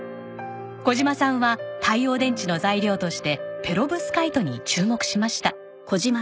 小島さんは太陽電池の材料としてペロブスカイトに注目しました。